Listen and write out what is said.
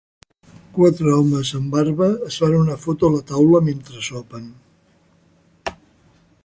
Quatre homes amb barba es fan una foto a la taula mentre sopen.